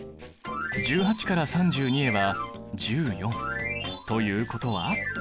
１８から３２へは１４。ということは？